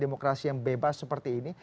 demokrasi yang bebas seperti ini